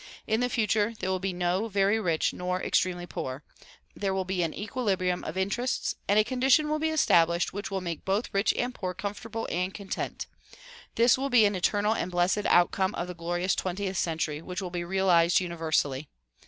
In the future there will be no very rich nor extremely poor. There will be an equilibrium of interests, and a condition will be estab lished which will make both rich and poor comfortable and content. This will be an eternal and blessed outcome of the glorious twentieth century which will be realized universally.